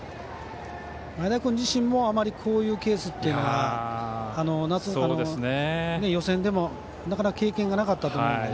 前田君自身もあまりこういうケースっていうのは予選でも、なかなか経験がなかったと思うので。